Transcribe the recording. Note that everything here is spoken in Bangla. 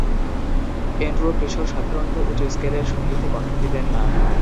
এন্ড্রু কিশোর সাধারণত উঁচু স্কেলের সঙ্গীতে কন্ঠ দিতেন না।